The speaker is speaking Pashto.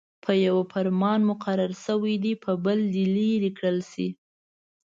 په يوه فرمان مقرر شوي دې په بل دې لیرې کړل شي.